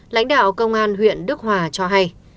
lãnh đạo công an huyện đức hòa cho hay